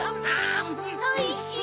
おいしい！